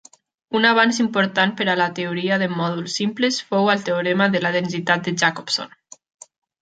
Un avanç important per a la teoria de mòduls simples fou el teorema de la densitat de Jacobson.